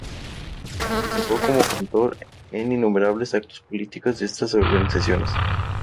Participó como cantor en innumerables actos políticos de estas organizaciones.